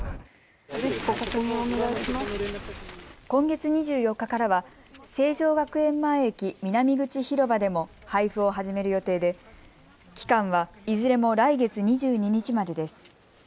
今月２４日からは成城学園前駅南口広場でも配布を始める予定で期間は、いずれも来月２２日までです。